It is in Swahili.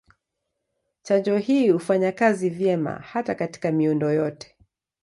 Chanjo hii hufanya kazi vyema hata katika miundo yote.